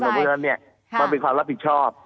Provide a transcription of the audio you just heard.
ต้องมีความรับผิดชอบ